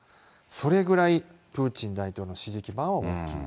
それぐらい、プーチン大統領の支持基盤は大きい。